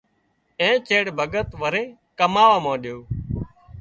اين چيڙ ڀڳت وري ڪماوا مانڏيو